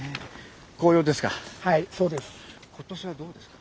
紅葉ですか？